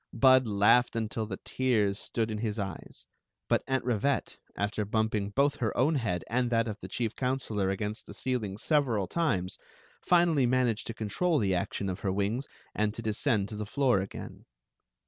Bud laughed until the tears stood in his eyes; but Aunt Rivctte, after bumping both her own head and Story of the Magic Cloak ,05 that of the chief countelor against the ceiling several times, finally managed to control the action of her wings and to descend to the flc )r again.